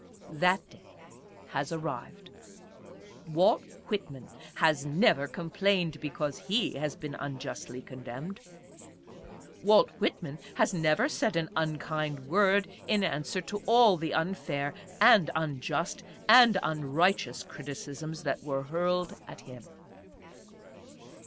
That day has arrived. Walt Whit man has never complained because he has been unjustly con demned. Walt Whitman has never said an unkind word in answer to all the unfair, and unjust, and unrighteous criticisms that were hurled at him.